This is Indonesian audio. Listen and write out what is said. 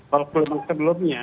kalau gelombang sebelumnya